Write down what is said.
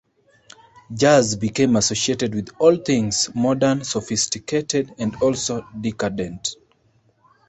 Jazz became associated with all things modern, sophisticated, and also decadent.